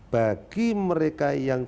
bagi mereka yang